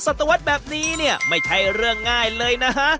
สตวรรษแบบนี้เนี่ยไม่ใช่เรื่องง่ายเลยนะฮะ